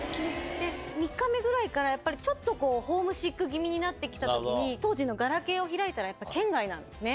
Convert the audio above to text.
３日目ぐらいからやっぱり、ちょっとこう、ホームシック気味になってきたときに、当時のガラケーを開いたら、やっぱ圏外なんですね。